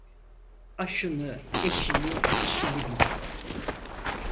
Aşını, eşini, işini bil.